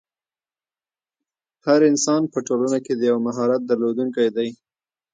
هر انسان په ټولنه کښي د یو مهارت درلودونکی دئ.